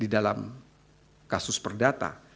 di dalam kasus perdata